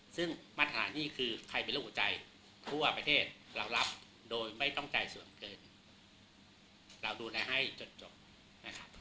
ซึ่งมาตรฐานนี้คือใครเป็นโรคหัวใจทั่วประเทศเรารับโดยไม่ต้องจ่ายส่วนเกินเราดูแลให้จนจบนะครับ